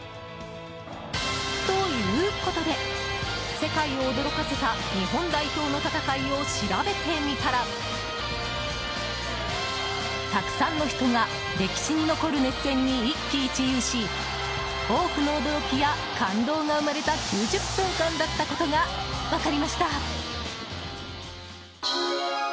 ということで世界を驚かせた日本代表の戦いを調べてみたらたくさんの人が歴史に残る熱戦に一喜一憂し多くの驚きや感動が生まれた９０分間だったことが分かりました。